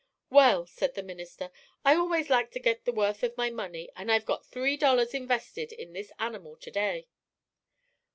"'Well,' said the minister, 'I always like to get the worth of my money, and I've got three dollars invested in this animal to day.'"